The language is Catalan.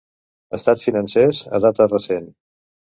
Estats financers a data recent.